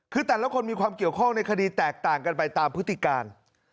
คือแต่ละคนมีความเกี่ยวข้องในคดีแตกต่างกันไปตามพฤติการ